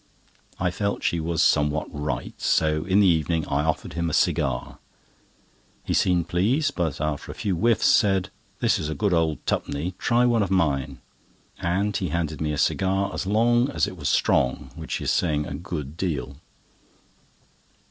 I felt she was somewhat right, so in the evening I offered him a cigar. He seemed pleased, but, after a few whiffs, said: "This is a good old tup'ny—try one of mine," and he handed me a cigar as long as it was strong, which is saying a good deal.